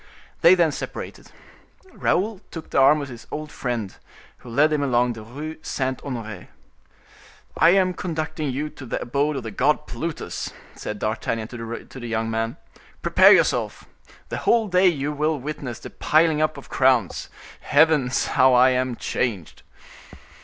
They then separated. Raoul took the arm of his old friend, who led him along the Rue Saint Honore. "I an conducting you to the abode of the god Plutus," said D'Artagnan to the young man; "prepare yourself. The whole day you will witness the piling up of crowns. Heavens! how I am changed!"